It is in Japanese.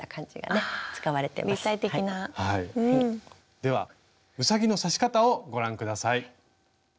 ではうさぎの刺し方をご覧下さい。